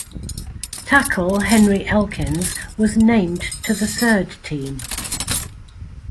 Tackle Henry Elkins was named to the third team.